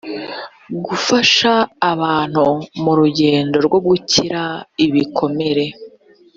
gufasha abantu mu rugendo rwo gukira ibikomere